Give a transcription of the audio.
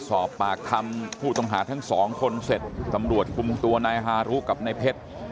สอบปากคำผู้ต้องหาทั้งสองคนเสร็จตำรวจคุมตัวนายฮารุกับนายเพชร